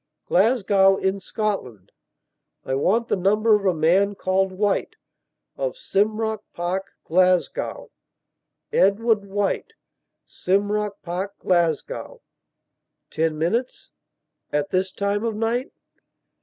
Glasgow, in Scotland.. I want the number of a man called White, of Simrock Park, Glasgow... Edward White, Simrock Park, Glasgow... ten minutes... at this time of night..."